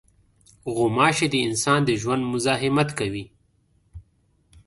غوماشې د انسان د ژوند مزاحمت کوي.